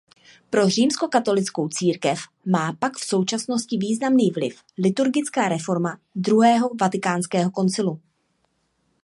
Pro římskokatolickou církev má pak v současnosti významný vliv liturgická reforma Druhého vatikánského koncilu.